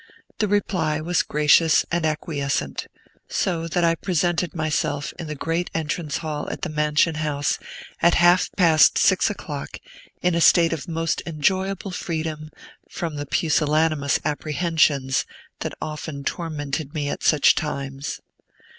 The reply was gracious and acquiescent; so that I presented myself in the great entrance hall of the Mansion House, at half past six o'clock, in a state of most enjoyable freedom from the pusillanimous apprehensions that often tormented me at such times.